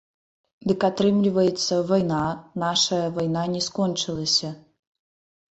Дык, атрымліваецца, вайна, нашая вайна, не скончылася.